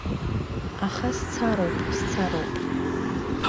Аха сцароуп, сцароуп…